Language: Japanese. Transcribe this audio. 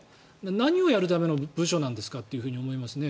何をやるための部署なんですかと思いますね。